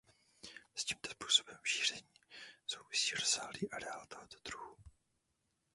S tímto způsobem šíření souvisí rozsáhlý areál tohoto druhu.